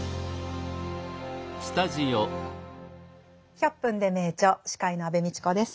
「１００分ｄｅ名著」司会の安部みちこです。